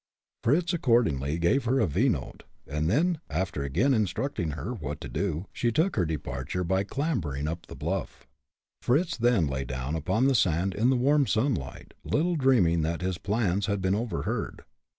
Fritz accordingly gave her a V note, and then, after again instructing her what to do, she took her departure by clambering up the bluff. Fritz then lay down upon the sand in the warm sunlight, little dreaming that his plans had been overheard.